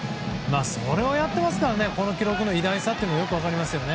それをやってますからこの記録の偉大さがよく分かりますよね。